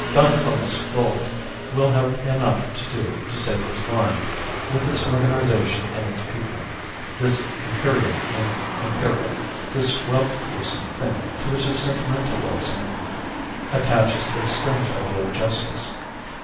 Don Carlos Gould will have enough to do to save his mine, with its organization and its people; this 'Imperium in Imperio,' this wealth producing thing, to which his sentimentalism attaches a strange idea of justice.